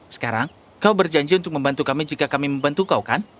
sekarang kau berjanji untuk membantu kami jika kami membantu kau kan